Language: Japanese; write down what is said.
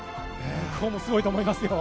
向こうもすごいと思いますよ。